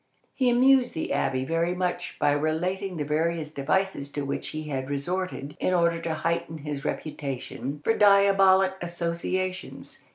He amused the abbé very much by relating the various devices to which he had resorted in order to heighten his reputation for diabolic associations.